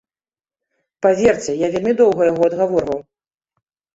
Паверце, я вельмі доўга яго адгаворваў.